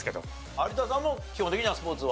有田さんも基本的にはスポーツは。